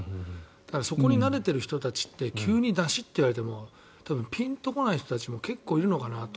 だからそこに慣れている人たちって急にだしって言われても多分ぴんと来ない人たちも結構いるのかなと。